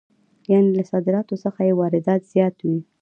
یانې له صادراتو څخه یې واردات زیات وي